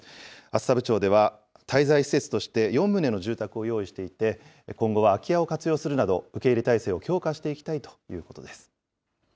厚沢部町では、滞在施設として４棟の住宅を用意していて、今後は空き家を活用するなど、受け入れ態勢を強化していきたいというこ